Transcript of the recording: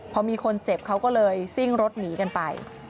พอมีคนเจ็บเขาก็เลยซิ่งรถหนีกันไป